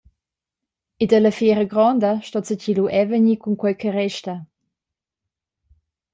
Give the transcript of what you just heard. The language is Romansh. Ed alla fiera gronda sto zatgi lu era vegnir cun quei che resta.